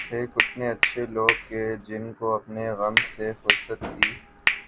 تھے کتنے اچھے لوگ کہ جن کو اپنے غم سے فرصت تھی